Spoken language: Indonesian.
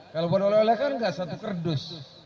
kalau buat lele kan gak satu kerdus